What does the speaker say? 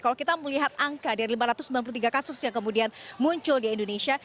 kalau kita melihat angka dari lima ratus sembilan puluh tiga kasus yang kemudian muncul di indonesia